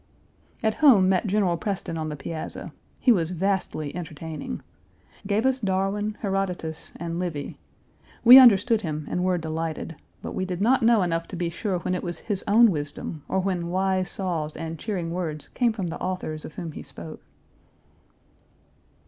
At home met General Preston on the piazza. He was vastly entertaining. Gave us Darwin, Herodotus, and Livy. We understood him and were delighted, but we did not know enough to be sure when it was his own wisdom or when wise saws and cheering words came from the authors of whom he spoke.